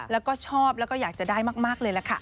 แล้วก็ชอบแล้วก็อยากจะได้มากเลยล่ะค่ะ